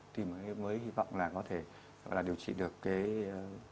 thì mới hy vọng là có thể điều trị được cái